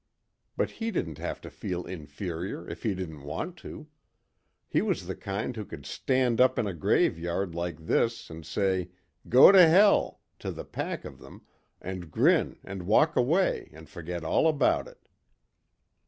But he didn't have to feel inferior if he didn't want to. He was the kind who could stand up in a graveyard like this and say "Go to Hell" to the pack of them and grin and walk away and forget all about it.